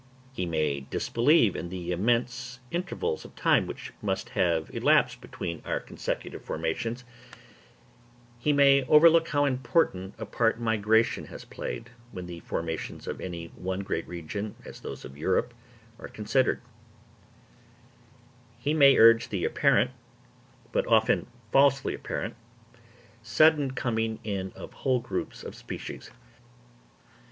He may disbelieve in the immense intervals of time which must have elapsed between our consecutive formations; he may overlook how important a part migration has played, when the formations of any one great region, as those of Europe, are considered; he may urge the apparent, but often falsely apparent, sudden coming in of whole groups of species.